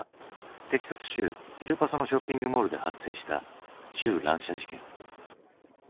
テキサス州エルパソのショッピングモールで発生した銃乱射事件。